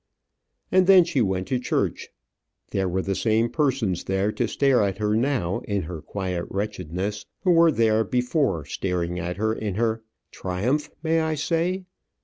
And then she went to church. There were the same persons there to stare at her now, in her quiet wretchedness, who were there before staring at her in her triumph may I say?